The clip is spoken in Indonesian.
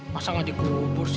masa nggak dikubur sih